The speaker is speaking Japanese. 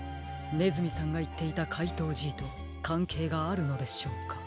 ねずみさんがいっていたかいとうＧとかんけいがあるのでしょうか？